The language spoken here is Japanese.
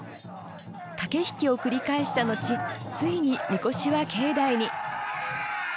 駆け引きを繰り返した後ついに神輿は境内に。